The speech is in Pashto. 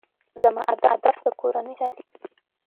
زما هدف د کورنۍ خوشحالي ده.